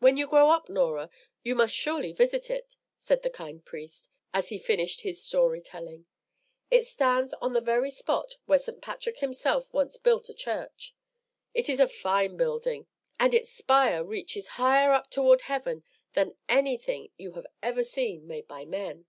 When you grow up, Norah, you must surely visit it," said the kind priest, as he finished his story telling. "It stands on the very spot where St. Patrick himself once built a church. It is a fine building, and its spire reaches higher up toward heaven than anything you have ever seen made by men.